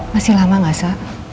masih lama gak sa